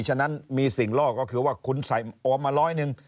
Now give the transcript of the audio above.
ฉะนั้นมีสิ่งล่อก็คือว่าคุณใส่โอมมาร้อยหนึ่ง